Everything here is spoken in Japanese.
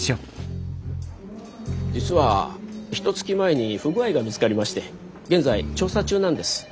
実はひとつき前に不具合が見つかりまして現在調査中なんです。